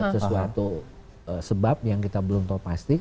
sesuatu sebab yang kita belum tahu pasti